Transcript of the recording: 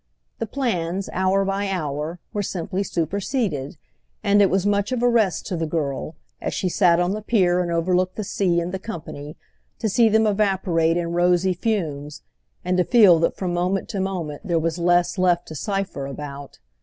The plans, hour by hour, were simply superseded, and it was much of a rest to the girl, as she sat on the pier and overlooked the sea and the company, to see them evaporate in rosy fumes and to feel that from moment to moment there was less left to cipher about.